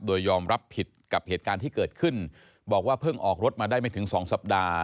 โดยยอมรับผิดกับเหตุการณ์ที่เกิดขึ้นบอกว่าเพิ่งออกรถมาได้ไม่ถึงสองสัปดาห์